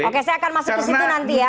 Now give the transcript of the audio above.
oke saya akan masuk ke situ nanti ya